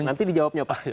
nanti dijawabnya pak